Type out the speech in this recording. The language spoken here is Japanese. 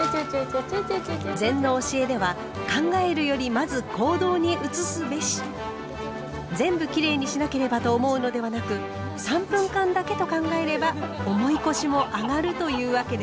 禅の教えでは「全部きれいにしなければ！」と思うのではなく“３分間だけ”と考えれば重い腰もあがるというわけです。